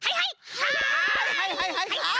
はいはいはいはい！